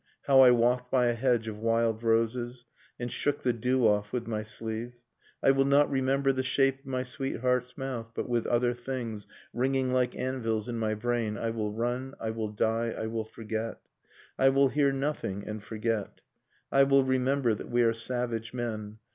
How I walked by a hedge of wild roses. And shook the dew off, with my sleeve, I will not remember The shape of my sweetheart's mouth, but with other things Ringing like anvils in my brain I will run, I will die, I will forget. I will hear nothing, and forget. .. I will remember that we are savage men.